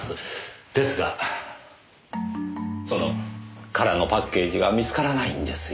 ですがその空のパッケージが見つからないんですよ。